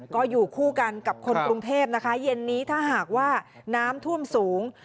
ก็อยู่คู่กันกับคนกรุงเทพนะคะเย็นนี้ถ้าหากว่าน้ำท่วมสูง